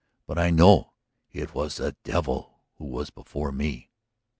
But I know; it was the Devil who was before me."